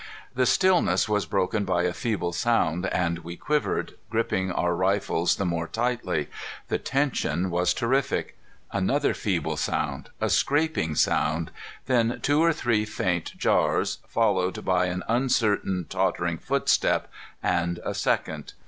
The stillness was broken by a feeble sound, and we quivered, gripping our rifles the more tightly. The tension was terrific. Another feeble sound, a scraping sound. Then two or three faint jars, followed by an uncertain, tottering footstep, and a second.